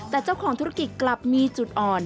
แต่เจ้าของธุรกิจกลับมีจุดอ่อน